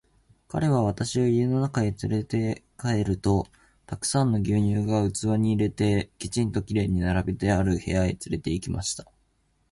彼は私を家の中へつれて帰ると、たくさんの牛乳が器に入れて、きちんと綺麗に並べてある部屋へつれて行きました。